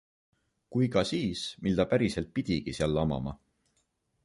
Kui ka siis, mil ta päriselt pidigi seal lamama.